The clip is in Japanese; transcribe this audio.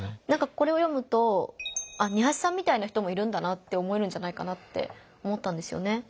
これを読むとニハチさんみたいな人もいるんだなって思えるんじゃないかなって思ったんですよね。